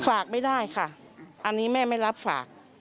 ฝากไม่ได้ค่ะอันนี้แม่ไม่รับฝาก